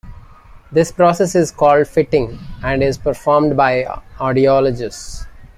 This process is called "fitting" and is performed by audiologists.